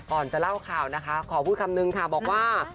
ก่อนจะเล่าข่าวนะคะขอพูดคำนึงค่ะบอกว่า